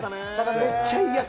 めっちゃいいやつ。